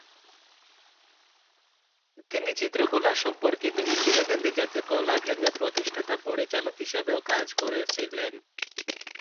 তিনি চিত্রকলা সম্পর্কিত 'ইন্দিরা গান্ধী জাতীয় কলা কেন্দ্রের' প্রতিষ্ঠাতা পরিচালক হিসাবেও কাজ করেছিলেন।